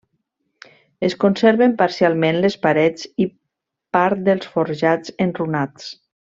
Es conserven parcialment les parets i part dels forjats enrunats.